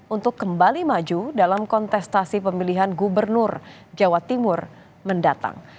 untuk kembali maju dalam kontestasi pemilihan gubernur jawa timur mendatang